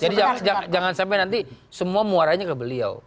jangan sampai nanti semua muaranya ke beliau